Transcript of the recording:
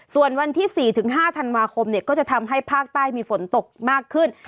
ส่วนวันที่๔๕ธันวาคมก็จะทำให้ภาคใต้มีฝนตกมากขึ้น